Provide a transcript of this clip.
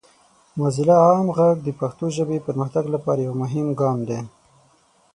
موزیلا عام غږ د پښتو ژبې پرمختګ لپاره یو مهم ګام دی.